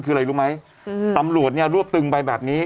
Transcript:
คืออะไรรู้ไหมตำรวจเนี่ยรวบตึงไปแบบนี้